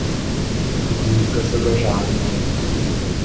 Kibújik a szög a zsákból.